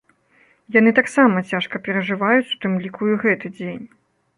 Яны таксама цяжка перажываюць у тым ліку і гэты дзень.